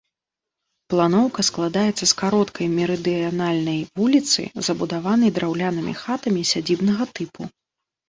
Планоўка складаецца з кароткай мерыдыянальнай вуліцы, забудаванай драўлянымі хатамі сядзібнага тыпу.